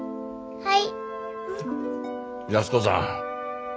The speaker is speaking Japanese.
はい。